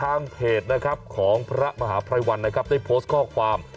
ทางเพจของพระมหาใบวันนะครับในโพสต์ข้อความ